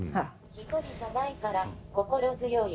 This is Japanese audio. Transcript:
「一人じゃないから心強い。